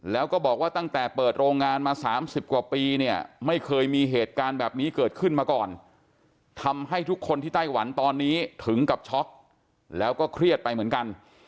แล้วก็บอกว่าตั้งแต่เปิดโรงงานมา๓๐กว่าปีเนี่ยไม่เคยมีเหตุการณ์แบบนี้เกิดขึ้นมาก่อนทำให้ทุกคนที่ไต้หวันตอนนี้ถึงกับช็อกแล้วก็เครียดไปเหมือนกัน